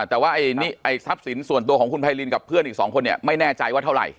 แต่ว่าทรัพย์สินส่วนตัวของคุณไพรินกับเพื่อนอีก๒คนเนี่ยไม่แน่ใจว่าเท่าไหร